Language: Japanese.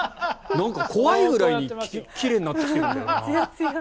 なんか怖いぐらいに奇麗になってきてるんだよな。